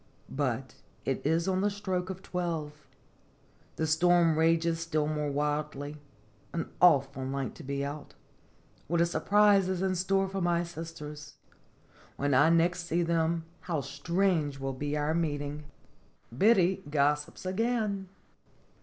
But it is on the stroke of twelve. The storm rages still more wildly; an awful night to be out. What a surprise is in store for my sisters ! When I next see them, how strange will be our meet ing! BIDDY GOSSIPS AGAIN.